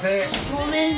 ごめんね。